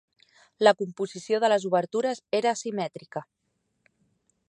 La composició de les obertures era asimètrica.